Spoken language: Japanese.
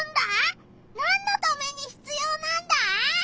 なんのためにひつようなんだ？